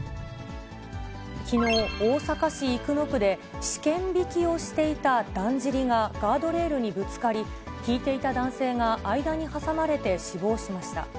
きのう、大阪市生野区で試験びきをしていただんじりがガードレールにぶつかり、ひいていた男性が間に挟まれて死亡しました。